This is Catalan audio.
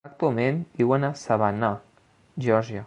Actualment viuen a Savannah, Geòrgia.